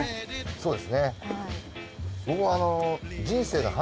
そうですね。